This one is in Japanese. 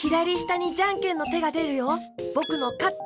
ぼくの「かって」